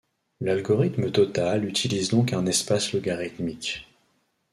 L'algorithme total utilise donc un espace logarithmique.